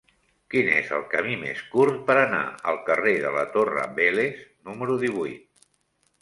Quin és el camí més curt per anar al carrer de la Torre Vélez número divuit?